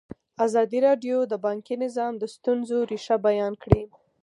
ازادي راډیو د بانکي نظام د ستونزو رېښه بیان کړې.